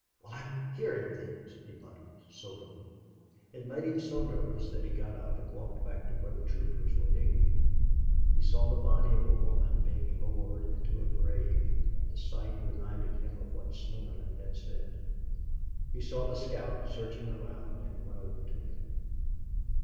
"Well, I'm hearing things," he muttered, soberly. It made him so nervous that he got up and walked back to where the troopers were digging. He saw the body of a woman being lowered into a grave and the sight reminded him of what Slingerland had said. He saw the scout searching around and he went over to him.